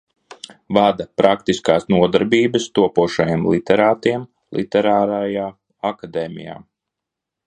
"Vada praktiskās nodarbības topošajiem literātiem "Literārajā Akadēmijā"."